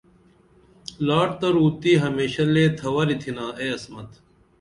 لاٹ تہ رُوتی ہمیشہ لے تھوری تِھنا اے عصمت